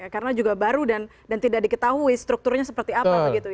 karena juga baru dan tidak diketahui strukturnya seperti apa